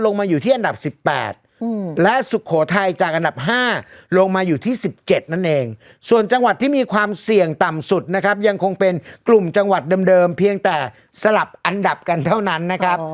ลงมาอยู่ที่อันดับสิบแปดอืมและสุโขไทยจากอันดับห้า